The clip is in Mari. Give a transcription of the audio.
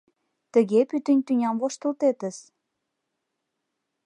Тыге пӱтынь тӱням воштылтетыс».